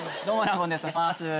お願いします。